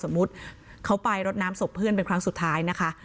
สมมุติเขาไปรถน้ำศพเพื่อนคลั้งสุดท้ายนะคะ